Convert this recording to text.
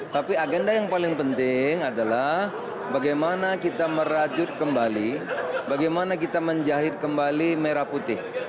tapi agenda yang paling penting adalah bagaimana kita merajut kembali bagaimana kita menjahit kembali merah putih